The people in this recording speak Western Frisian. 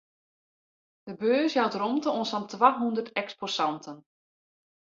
De beurs jout rûmte oan sa'n twahûndert eksposanten.